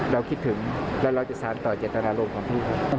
เราคิดถึงและเราจะสารต่อเจตนารมณ์ของพี่เขา